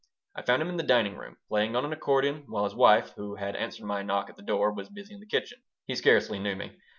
I found him in the dining room, playing on an accordion, while his wife, who had answered my knock at the door, was busy in the kitchen He scarcely knew me.